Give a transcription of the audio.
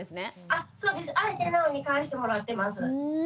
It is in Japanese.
あそうです。あえてなおに返してもらってます。